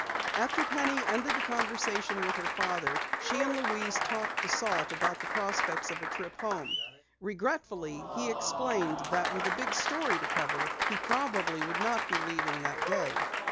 After Penny ended the conversation with her father, she and Louise talked to Salt about the prospects of a trip home. Regretfully he explained that with a big story to cover, he probably would not be leaving that day.